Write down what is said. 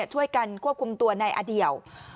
ช่วยกันควบคุมตัวในอเดี่ยว